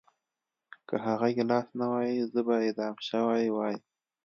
که هغه ګیلاس نه وای زه به اعدام شوی وای